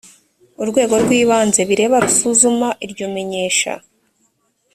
urwego rw ibanze bireba rusuzuma iryo menyesha